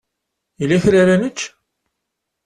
Yella kra ara nečč?